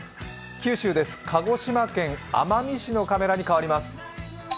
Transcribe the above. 九州です、鹿児島県奄美市カメラに変わります。